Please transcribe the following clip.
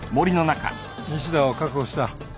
西田は確保した。